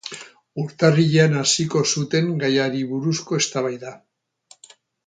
Urtarrilean hasiko zuten gaiari buruzko eztabaida.